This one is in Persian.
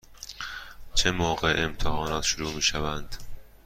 چه موقع امتحانات شروع می شوند؟